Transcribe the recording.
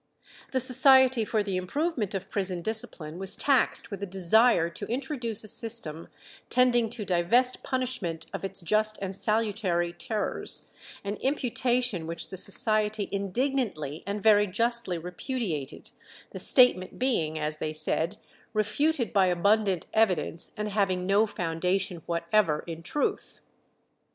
The Society for the Improvement of Prison Discipline was taxed with a desire to introduce a system tending to divest punishment of its just and salutary terrors; an imputation which the Society indignantly and very justly repudiated, the statement being, as they said, "refuted by abundant evidence, and having no foundation whatever in truth."